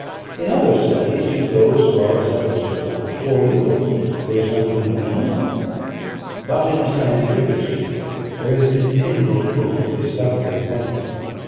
In other studies you go as far as others have gone before you, and there is nothing more to know; but in a scientific pursuit there is continual food for discovery and wonder.